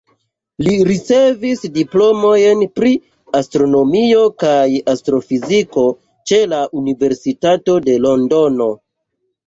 Li ricevis diplomojn pri astronomio kaj astrofiziko ĉe la Universitato de Londono.